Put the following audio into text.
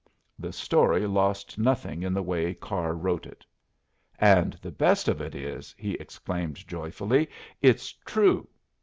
The story lost nothing in the way Carr wrote it. "And the best of it is," he exclaimed joyfully, "it's true!"